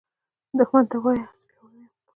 دښمن ته وایه “زه پیاوړی یم”